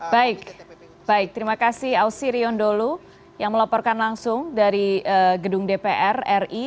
baik baik terima kasih ausirion dholu yang melaporkan langsung dari gedung dpr ri